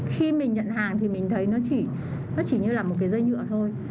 khi mình nhận hàng thì mình thấy nó chỉ như là một cái dây nhựa thôi